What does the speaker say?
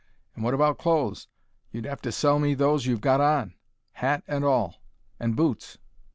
And what about clothes? You'll 'ave to sell me those you've got on. Hat and all. And boots."